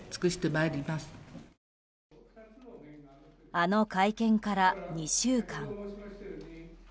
あの会見から２週間。